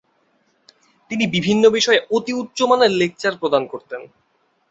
তিনি বিভিন্ন বিষয়ে অতি উচ্চমানের লেকচার প্রদান করতেন।